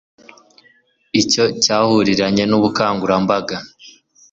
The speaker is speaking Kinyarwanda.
cyo cyahuriranye n ubukangurambaga